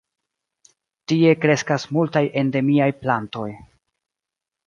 Tie kreskas multaj endemiaj plantoj.